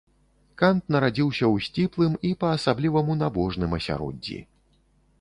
Кант нарадзіўся ў сціплым і па-асабліваму набожным асяроддзі.